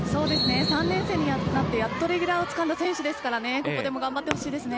３年生になってやっとレギュラーをつかんだ選手ですからここでも頑張ってほしいですね。